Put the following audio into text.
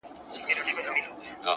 هوښیار انسان احساسات سم لوري ته بیایي.!